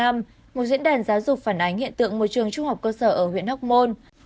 một diễn đàn giáo dục phản ánh hiện tượng một trường trung học cơ sở ở huyện hóc môn